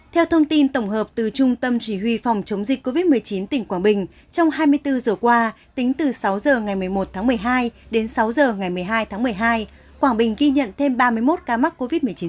theo thông tin tổng hợp từ trung tâm chỉ huy phòng chống dịch covid một mươi chín tỉnh quảng bình trong hai mươi bốn giờ qua tính từ sáu h ngày một mươi một tháng một mươi hai đến sáu h ngày một mươi hai tháng một mươi hai quảng bình ghi nhận thêm ba mươi một ca mắc covid một mươi chín